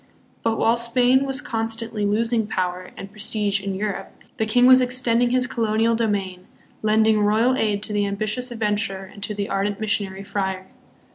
But while Spain was constantly losing power and prestige in Europe, the king was extending his colonial domain, lending royal aid to the ambitious adventurer and to the ardent mis sionary friar.